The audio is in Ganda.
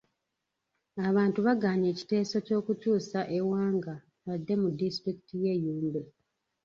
Abantu bagaanye ekiteeso ky'okukyusa Ewanga edde mu disitulikiti y'e Yumbe.